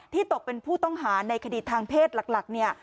ที่ตกเป็นผู้ต้องหาในคดีทางเพศหลัก